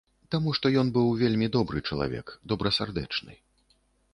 Таму што ён быў вельмі добры чалавек, добрасардэчны.